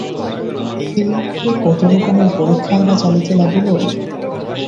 এইরূপে কত রকমের পরীক্ষাই না চলিতে লাগিল।